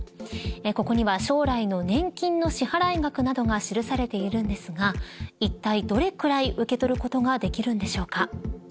ここには将来の年金の支払額などが記されているんですがいったいどれくらい受け取ることができるんでしょうか。